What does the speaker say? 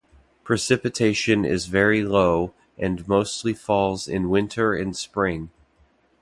Precipitation is very low, and mostly falls in winter and spring.